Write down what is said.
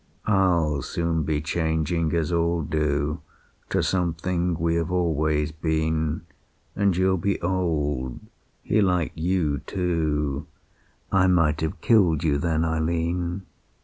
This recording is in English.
"I'll soon be changing as all do, To something we have always been; And you'll be old... He liked you, too. I might have killed you then, Eileen.